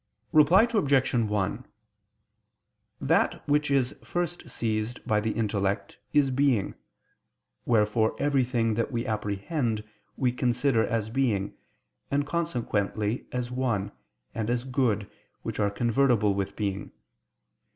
Reply Obj. 1: That which is first seized by the intellect is being: wherefore everything that we apprehend we consider as being, and consequently as one, and as good, which are convertible with being.